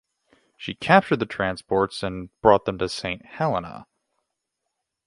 She captured the transports and brought them to Saint Helena.